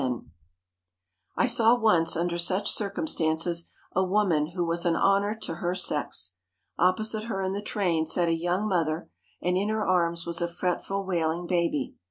[Sidenote: A KINDLY TRAVELER] I saw once under such circumstances a woman who was an honor to her sex. Opposite her in the train sat a young mother, and in her arms was a fretful wailing baby.